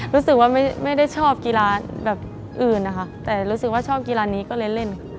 รู้สึกว่าไม่ได้ชอบกีฬาแบบอื่นนะคะแต่รู้สึกว่าชอบกีฬานี้ก็เลยเล่น